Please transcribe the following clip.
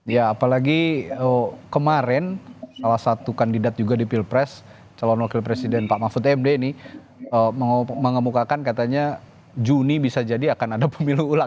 ya apalagi kemarin salah satu kandidat juga di pilpres calon wakil presiden pak mahfud md ini mengemukakan katanya juni bisa jadi akan ada pemilu ulang